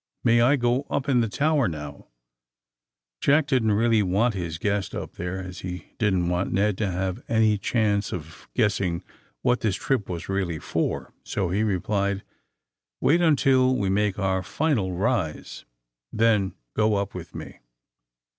*' May I go np in the tower, now !'' Jack didn't really want his guest up there, as he didn't want Ned to have any chance of guess ing what this trip was really for, so he replied : ^'Wait until we make our final rise. Then go up with me.